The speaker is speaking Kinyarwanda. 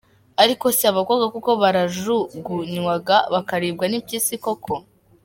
Ariko se, aba bakobwa koko barajugunywaga bakaribwa n’impyisi koko?.